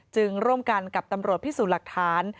ร่วมกันกับตำรวจพิสูจน์หลักฐาน